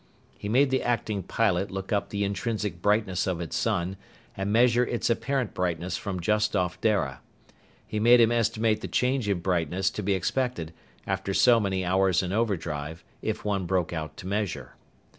He made the acting pilot look up the intrinsic brightness of its sun and measure its apparent brightness from just off Dara. He made him estimate the change in brightness to be expected after so many hours in overdrive, if one broke out to measure.